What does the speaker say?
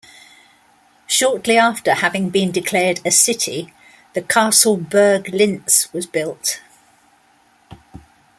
Shortly after having been declared a "city", the castle Burg Linz was built.